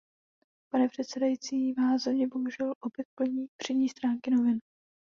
Pane předsedající, má země bohužel opět plní přední stránky novin.